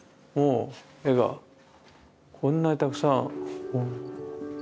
絵がこんなにたくさん。